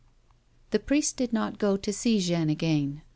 The priest did not go to see Jeanne again.